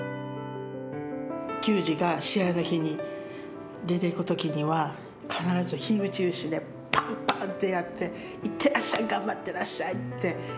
球児が試合の日に出ていく時には必ず火打ち石でパンパンってやって行ってらっしゃい頑張ってらっしゃいってやってましたね。